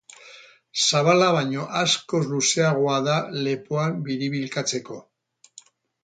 Zabala baino askoz luzeagoa da, lepoan biribilkatzeko.